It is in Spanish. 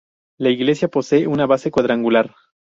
La iglesia posee una base cuadrangular.